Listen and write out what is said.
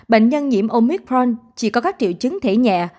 bệnh nhân nhiễm omicront chỉ có các triệu chứng thể nhẹ